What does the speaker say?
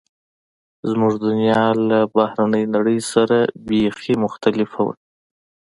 زموږ دنیا له بهرنۍ نړۍ سره بیخي مختلفه وه